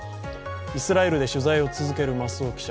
イスラエルで取材を続ける増尾記者。